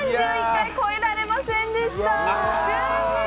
３１回、超えられませんでした。